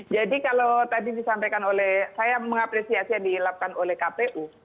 jadi kalau tadi disampaikan oleh saya mengapresiasi yang dihilangkan oleh kpu